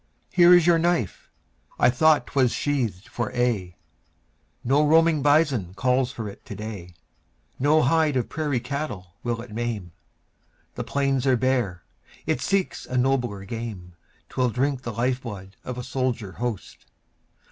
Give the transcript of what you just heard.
Here is your knife! I thought 'twas sheathed for aye. No roaming bison calls for it to day; No hide of prairie cattle will it maim; The plains are bare, it seeks a nobler game: 'Twill drink the life blood of a soldier host.